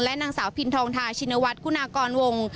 และนางสาวพินทองทาชินวัดกุนากรวง